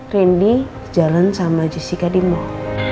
randy jalan sama jessica di mall